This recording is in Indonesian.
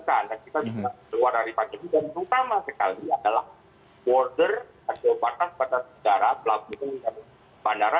dan kita juga keluar dari pandemi dan utama sekali adalah border aseopatas batas darat labu bandara